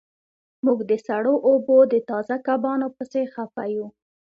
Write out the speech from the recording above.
موږ د سړو اوبو د تازه کبانو پسې خفه یو